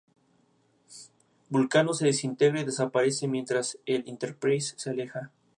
Vulcano se desintegra y desaparece mientras el Enterprise se aleja.